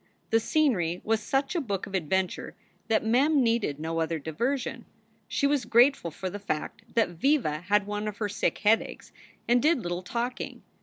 The scenery was such a book of adventure that Mem needed no other diversion. She was grateful for the fact that Viva had one of her sick headaches and did little talking.